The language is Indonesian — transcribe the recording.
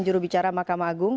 jurubicara makam agung